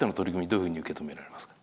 どういうふうに受け止められますか？